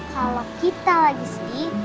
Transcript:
kalau kita lagi sedih